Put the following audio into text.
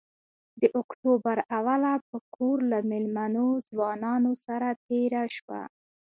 د اکتوبر اوله په کور له مېلمنو ځوانانو سره تېره شوه.